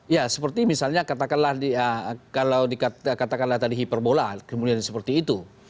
ya seperti misalnya katakanlah tadi hiperbola kemudian seperti itu